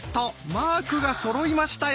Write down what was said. マークがそろいましたよ！